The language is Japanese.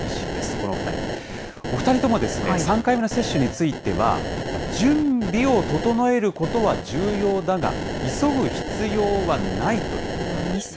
このお２人、お２人とも３回目の接種については、準備を整えることは重要だが、急ぐ必要はないということだったんですね。